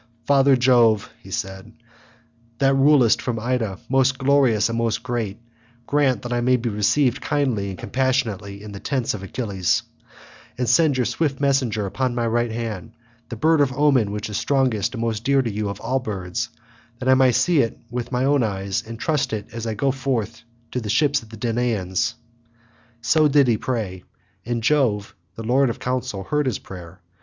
"Father Jove," he said, "that rulest from Ida, most glorious and most great, grant that I may be received kindly and compassionately in the tents of Achilles; and send your swift messenger upon my right hand, the bird of omen which is strongest and most dear to you of all birds, that I may see it with my own eyes and trust it as I go forth to the ships of the Danaans." So did he pray, and Jove the lord of counsel heard his prayer.